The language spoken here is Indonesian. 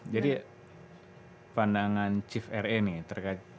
jadi pandangan chief re nih